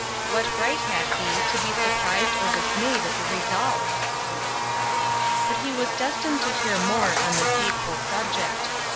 What right had he to be surprised or dismayed at the result ? But he was destined to hear more on this hate ful subject.